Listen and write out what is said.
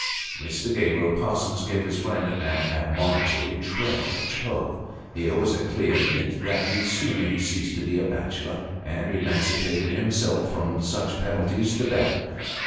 Mr. Gabriel Parsons gave his friend an admonitory tread on the toe. Here was a clear hint that the sooner he ceased to be a bachelor and emancipated himself from such penalties, the better.